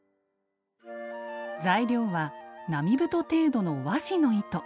材料は並太程度の和紙の糸。